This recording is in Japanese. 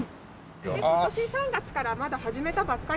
今年３月からまだ始めたばっかりで。